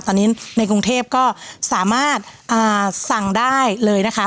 ตอนนี้ในกรุงเทพก็สามารถสั่งได้เลยนะคะ